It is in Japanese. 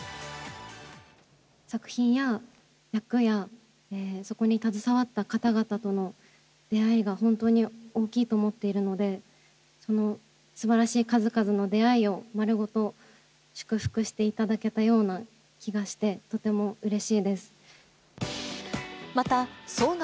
作品や役や、そこに携わった方々との出会いが本当に大きいと思っているので、そのすばらしい数々の出会いを丸ごと祝福していただけたような気また、総額